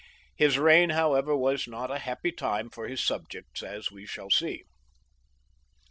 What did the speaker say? His reign, however, was not a happy time for his subjects, as we shall see.